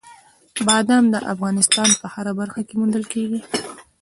بادام د افغانستان په هره برخه کې موندل کېږي.